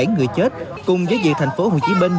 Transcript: bảy người chết cùng với việc thành phố hồ chí minh